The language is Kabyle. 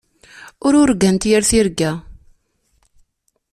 Ur urgant yir tirga.